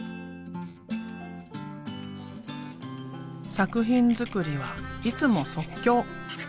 作品作りはいつも即興。